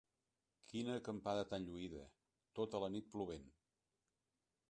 Quina acampada tan lluïda: tota la nit plovent!